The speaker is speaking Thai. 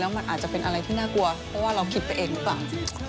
มันอาจจะเป็นอะไรที่น่ากลัวเพราะว่าเราผิดไปเองหรือเปล่า